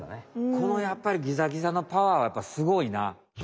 このやっぱりギザギザのパワーはやっぱりすごいな。